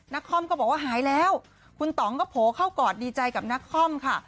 คอมก็บอกว่าหายแล้วคุณต่องก็โผล่เข้ากอดดีใจกับนักคอมค่ะ